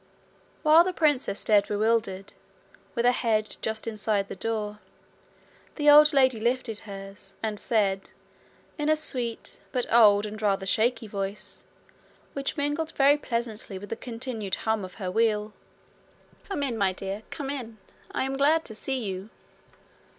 While the princess stared bewildered, with her head just inside the door, the old lady lifted hers, and said, in a sweet, but old and rather shaky voice, which mingled very pleasantly with the continued hum of her wheel: 'Come in, my dear; come in. I am glad to see you.'